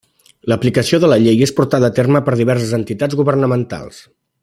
L'aplicació de la llei és portada a terme per diverses entitats governamentals.